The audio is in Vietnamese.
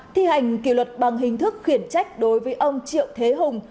ba thi hành kỷ luật bằng hình thức khuyển trách đối với ông triệu thế hùng